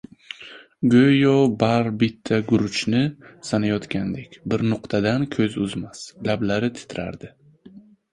Go‘yo bar bitta guruchni sanayotgandek, bir nuqtadan ko‘z uzmas, lablari titrardi.